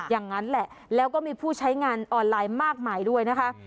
อย่างนั้นแหละแล้วก็มีผู้ใช้งานออนไลน์มากมายด้วยนะคะ